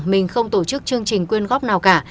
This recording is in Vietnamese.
mình không tổ chức chương trình quyên góp nào cả